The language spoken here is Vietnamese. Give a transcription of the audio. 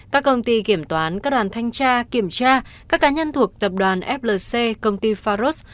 các công ty kiểm toán các đoàn thanh tra kiểm tra các cá nhân thuộc tập đoàn flc công ty faros